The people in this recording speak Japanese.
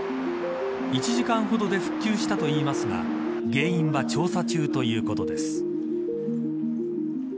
１時間ほどで復旧したといいますが原因は調査中ということです。